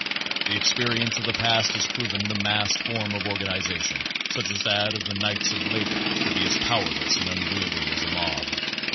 The experience of the past has proven the mass form of organization, such as that of the Knights of Labor, to be as powerless and unwieldy as a mob.